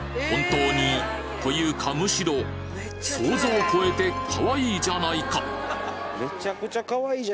本当にというかむしろ想像を越えて可愛いじゃないか！？